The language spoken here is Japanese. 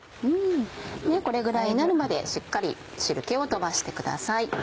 これぐらいになるまでしっかり汁気を飛ばしてください。